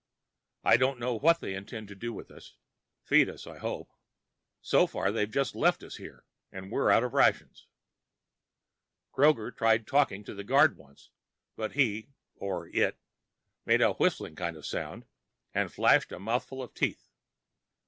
I don't know what they intend to do with us. Feed us, I hope. So far, they've just left us here, and we're out of rations. Kroger tried talking to the guard once, but he (or it) made a whistling kind of sound and flashed a mouthful of teeth.